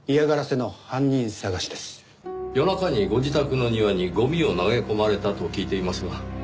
夜中にご自宅の庭にゴミを投げ込まれたと聞いていますが。